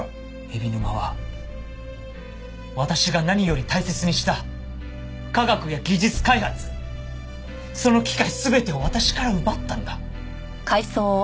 海老沼は私が何より大切にした科学や技術開発その機会全てを私から奪ったんだ。